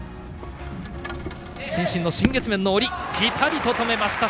伸身の新月面の下りピタリと止めました。